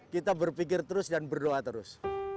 kita berpikir terus dan berdoa terus